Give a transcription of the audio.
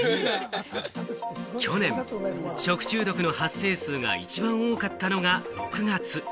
去年、食中毒の発生数が一番多かったのが６月。